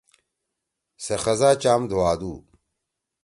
سے خزا چام دُھوادُو۔